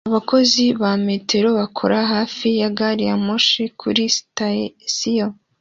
Abakozi ba metero bakora hafi ya gari ya moshi kuri sitasiyo